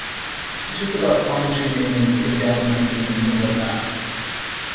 It's just about fine-tuning and sitting down with my team and things like that.